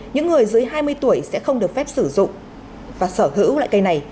những người dưới hai mươi tuổi sẽ không được phép sử dụng và sở hữu loại cây này